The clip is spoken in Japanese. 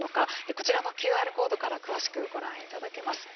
こちらのＱＲコードから詳しくご覧いただけます。